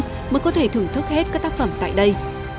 sẽ mất tới hơn tám năm mới có thể thưởng thức hết các tác phẩm tại đây